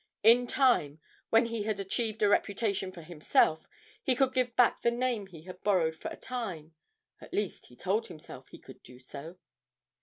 In time, when he had achieved a reputation for himself, he could give back the name he had borrowed for a time at least he told himself he could do so.